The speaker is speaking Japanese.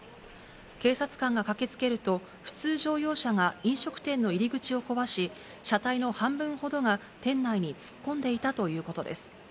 警察官が駆けつけると、普通乗用車が飲食店の入り口を壊し、車体の半分ほどが店内に突っ込んでいたということです。